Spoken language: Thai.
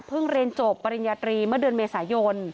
เรียนจบปริญญาตรีเมื่อเดือนเมษายน